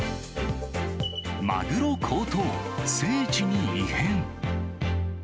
マグロ高騰、聖地に異変。